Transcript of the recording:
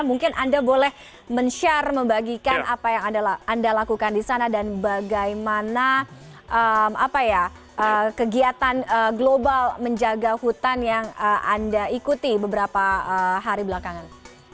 mungkin anda boleh men share membagikan apa yang anda lakukan di sana dan bagaimana kegiatan global menjaga hutan yang anda ikuti beberapa hari belakangan